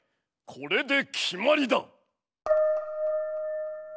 これで決まりだ！